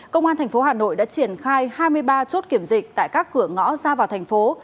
công an thành phố hà nội đã triển khai hai mươi ba chốt kiểm dịch tại các cửa ngõ ra vào thành phố